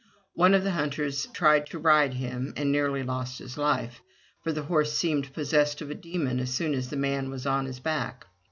One of the hunters tried to ride him and nearly lost his life, for the horse seemed possessed of a demon as soon as the man was on his back.